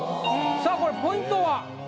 さぁこれポイントは？